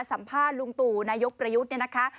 สัมภาษณ์ลุงตู่นายกประยุทธ์เนี่ยนะคะ